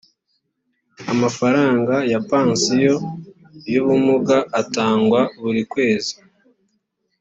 amafaranga ya pansiyo y ‘ubumuga atangwa buri kwezi